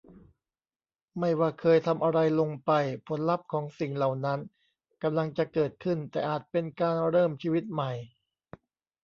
ไม่ว่าเคยทำอะไรลงไปผลลัพธ์ของสิ่งเหล่านั้นกำลังจะเกิดขึ้น แต่อาจเป็นการเริ่มชีวิตใหม่